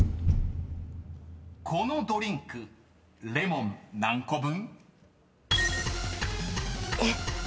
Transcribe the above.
［このドリンクレモン何個分？］